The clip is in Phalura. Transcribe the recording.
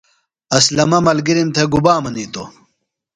اسلمہ ملگرِم تھےۡ گُبا منِیتوۡ ؟